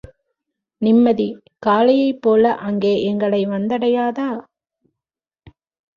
நிம்மதி, காலையைப்போல அங்கே எங்களை வந்தடையாதா?